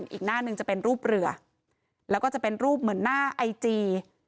อีกหน้าหนึ่งจะเป็นรูปเรือแล้วก็จะเป็นรูปเหมือนหน้าไอจี